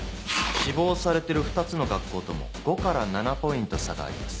志望されてる２つの学校とも５から７ポイント差があります。